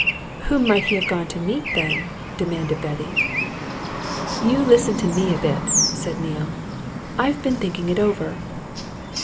"Whom might he have gone to meet, then?" demanded Betty. "You listen to me a bit," said Neale. "I've been thinking it over.